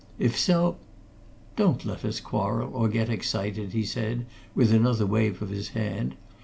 "If so " "Don't let us quarrel or get excited," he said, with another wave of his hand.